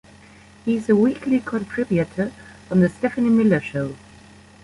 He is a weekly contributor on "The Stephanie Miller Show".